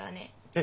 え？